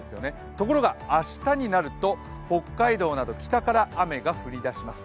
ところが、明日になると、北海道など北から雨が降り出します。